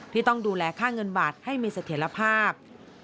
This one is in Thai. ที่ต้องดูแลค่าเงินบาทให้มีเสถียรภาพ